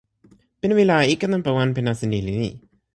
pilin mi la ike nanpa wan pi nasin ni li ni: